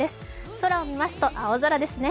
空を見ますと青空ですね。